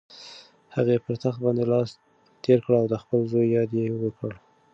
هغې پر تخت باندې لاس تېر کړ او د خپل زوی یاد یې وکړ.